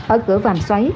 ở cửa vàm xoáy